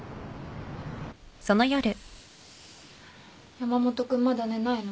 山本君まだ寝ないの？